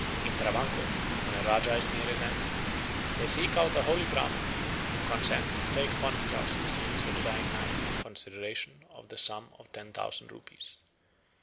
In Travancore, when a Rajah is near his end, they seek out a holy Brahman, who consents to take upon himself the sins of the dying man in consideration of the sum of ten thousand rupees.